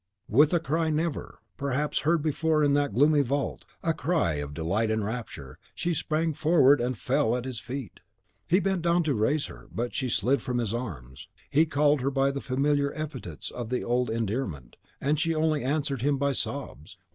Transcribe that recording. With a cry never, perhaps, heard before in that gloomy vault, a cry of delight and rapture, she sprang forward, and fell at his feet. He bent down to raise her; but she slid from his arms. He called her by the familiar epithets of the old endearment, and she only answered him by sobs.